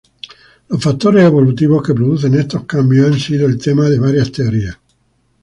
Los factores evolutivos que producen estos cambios, han sido el tema de varias teorías.